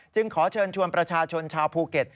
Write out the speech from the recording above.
ขอเชิญชวนประชาชนชาวภูเก็ต